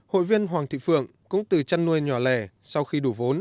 hội viên hoàng thị phượng cũng từ chăn nuôi nhỏ lẻ sau khi đủ vốn